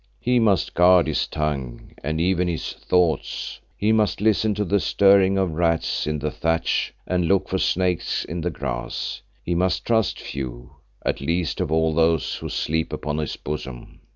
He must guard his tongue and even his thoughts! he must listen to the stirring of rats in the thatch and look for snakes in the grass; he must trust few, and least of all those who sleep upon his bosom.